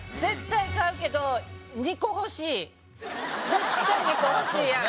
絶対２個欲しいやん。